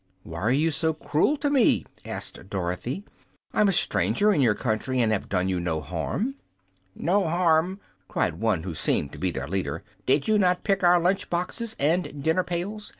"Why are you so cruel to me?" asked Dorothy. "I'm a stranger in your country, and have done you no harm." "No harm!" cried one who seemed to be their leader. "Did you not pick our lunch boxes and dinner pails?